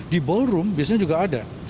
di ballroom biasanya juga ada